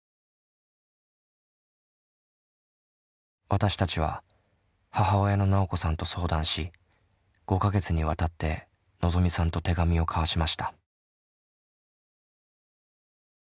私たちは母親のなおこさんと相談し５か月にわたってのぞみさんと手紙を交わしました。